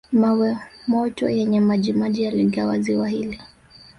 Mawe moto yenye majimaji yaligawa ziwa hili